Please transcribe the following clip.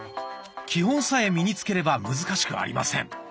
基本さえ身につければ難しくありません。